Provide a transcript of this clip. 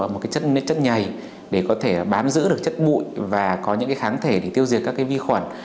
một chất nhầy để có thể bám giữ được chất bụi và có những kháng thể để tiêu diệt các vi khuẩn